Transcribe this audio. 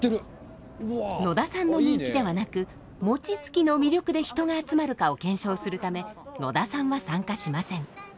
野田さんの人気ではなくもちつきの魅力で人が集まるかを検証するため野田さんは参加しません。